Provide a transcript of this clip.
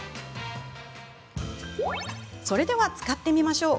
それでは、使ってみましょう。